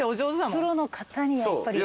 プロの方にやっぱり。